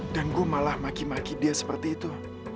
gue malah maki maki dia seperti itu